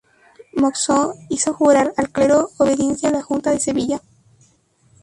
Moxó hizo jurar al clero obediencia a la Junta de Sevilla.